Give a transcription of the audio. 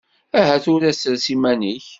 Aha tura sres iman-ik!